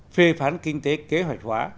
phê phán kinh tế kế hoạch hóa